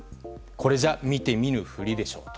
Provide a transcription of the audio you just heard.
これじゃ見て見ぬふりでしょうと。